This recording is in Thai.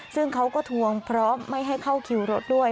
ซึ่งเขาก็ทวงเพราะไม่ให้เข้าคิวรถด้วย